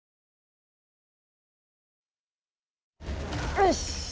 よし！